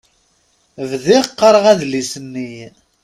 Bdiɣ qqaṛeɣ adlis-nni.